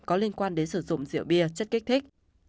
có liên quan đến sử dụng rượu bia chất kích thích